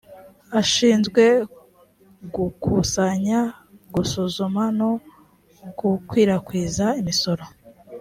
ashinzwe gukusanya gusuzuma no gukwirakwiza imisoro